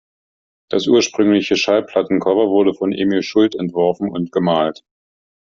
Das ursprüngliche Schallplattencover wurde von Emil Schult entworfen und gemalt.